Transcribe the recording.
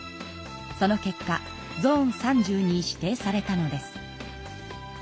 その結果ゾーン３０に指定されたのです。